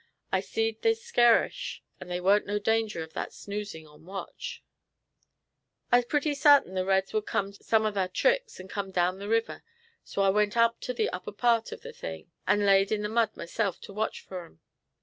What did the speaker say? I seed they's skerish, and there weren't no danger of thar snoozin' on watch. "I's pretty sartin the reds would come some of thar tricks, and come down the river; so I went up to the upper part of the thing, and laid in the mud myself to watch fur 'em.